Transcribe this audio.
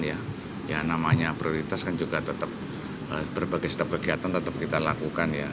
ya namanya prioritas kan juga tetap berbagai setiap kegiatan tetap kita lakukan ya